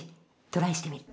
トライしてみる。